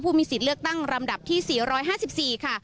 มีสิทธิ์เลือกตั้งลำดับที่๔๕๔ค่ะ